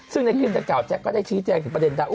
ซึ่งในคลิปดังกล่าแจ๊กก็ได้ชี้แจงถึงประเด็นดราโอ